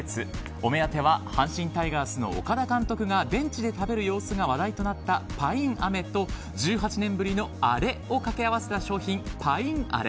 お目当ては阪神タイガースの岡田監督がベンチで食べる様子が話題となったパインアメと１８年ぶりのアレを掛け合わせた商品・パインアレ。